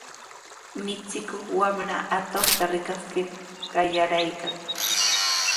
Michikuq wamra atuqta rikaskir qayararqan.